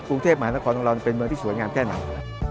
กรุงเทพมหานครของเราเป็นเมืองที่สวยงามแค่ไหน